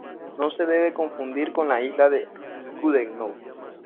No se debe confundir con la isla de Goodenough.